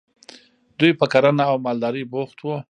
دوی په کرنه او مالدارۍ بوخت وو.